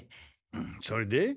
それで？